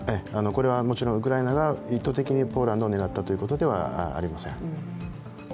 これはもちろん、ウクライナが意図的にポーランドを狙ったということではありません。